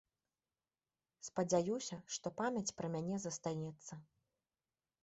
Спадзяюся, што памяць пра мяне застанецца.